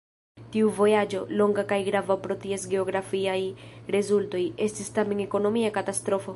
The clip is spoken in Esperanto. Tiu vojaĝo, longa kaj grava pro ties geografiaj rezultoj, estis tamen ekonomia katastrofo.